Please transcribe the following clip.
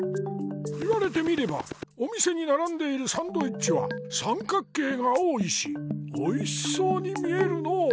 言われてみればお店にならんでいるサンドイッチはさんかく形が多いしおいしそうに見えるのう。